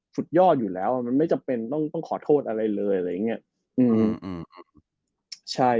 สุดยอดอยู่แล้วมันไม่จำเป็นต้องขอโทษอะไรเลย